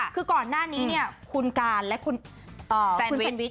คือก่อนหน้านี้เนี่ยคุณการและคุณเซนวิช